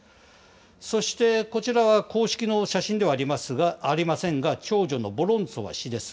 そしてこちらは公式の写真ではありませんが、長女のボロンツォワ氏です。